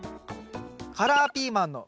「カラーピーマンの」